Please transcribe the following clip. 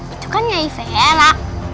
itu kan nyai vera